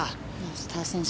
スター選手